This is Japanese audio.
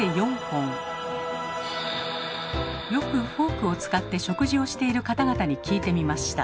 よくフォークを使って食事をしている方々に聞いてみました。